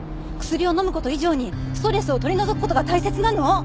薬を飲むこと以上にストレスを取り除くことが大切なの。